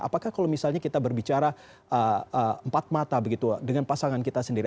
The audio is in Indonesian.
apakah kalau misalnya kita berbicara empat mata begitu dengan pasangan kita sendiri